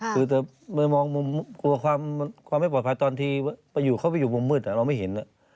คือมองมุมกลัวความไม่ปลอดภัยตอนที่เขาไปอยู่มุมมืดเราไม่เห็น